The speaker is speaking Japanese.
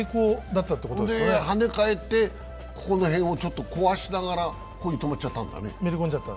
で、跳ね返って、この辺を壊しながらここに止まっちゃったんだね。